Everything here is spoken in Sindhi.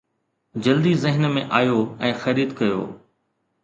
جلدي ذهن ۾ آيو ۽ خريد ڪيو